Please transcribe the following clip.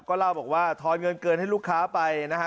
ก็เล่าบอกว่าทอนเงินเกินให้ลูกค้าไปนะฮะ